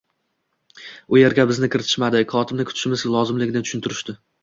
U erga bizni kiritishmadi, kotibni kutishimiz lozimligini tushuntirishdi